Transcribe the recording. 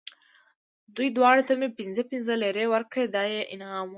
دوی دواړو ته مې پنځه پنځه لېرې ورکړې، دا یې انعام و.